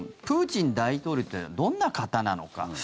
プーチン大統領ってどんな方なのか。